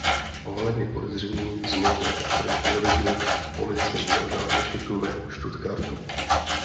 Ohledně podezření z možné podpory terorismu policie uzavřela mešitu ve Stuttgartu.